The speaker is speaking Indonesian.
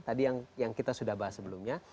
tadi yang kita sudah bahas sebelumnya